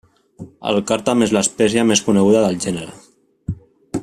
El càrtam és l'espècie més coneguda del gènere.